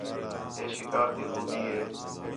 ہے شکار تی خوبی ہِے